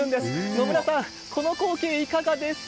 野村さん、この光景、いかがですか？